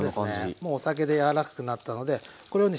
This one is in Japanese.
もうお酒で柔らかくなったのでこれをね